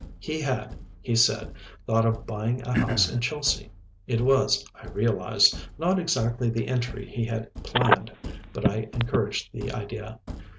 He had, he said, thought of buying a house in Chelsea. It was, I realised, not exactly the entry he had planned but I encouraged the idea.